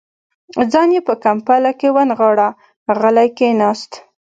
ځان يې په کمپله کې ونغاړه، غلی کېناست.